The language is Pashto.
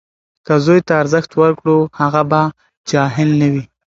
که زوی ته ارزښت ورکړو، هغه به جاهل نه وي.